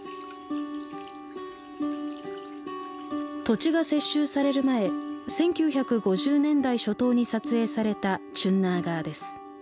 土地が接収される前１９５０年代初頭に撮影されたチュンナーガーです。